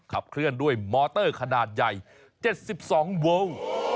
ขับเคลื่อนด้วยมอเตอร์ขนาดใหญ่๗๒เวิล